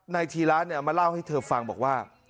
นายทีร้านมาเล่าให้เธอฟังบอกว่า